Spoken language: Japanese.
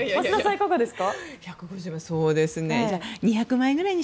いかがですか？